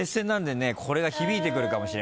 これが響いてくるかもしれません。